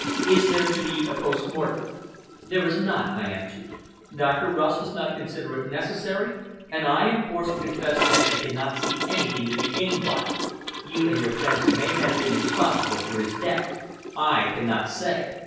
Is there to be a post mortem?" "There is not," I answered. "Dr. Rust does not consider it necessary, and I am forced to confess that I cannot see anything to be gained by it. You and your friends may have been responsible for his death. I cannot say!